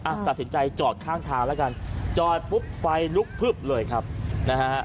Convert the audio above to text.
ตัดสินใจจอดข้างทางแล้วกันจอดปุ๊บไฟลุกพึบเลยครับนะฮะ